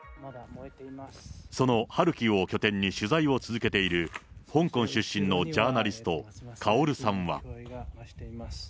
そのハルキウを拠点に取材を続けている香港出身のジャーナリスト、カオルさんは。